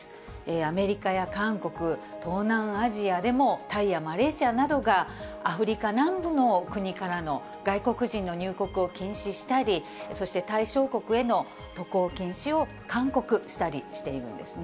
アメリカや韓国、東南アジアでも、タイやマレーシアなどが、アフリカ南部の国からの外国人の入国を禁止したり、そして対象国への渡航禁止を勧告したりしているんですね。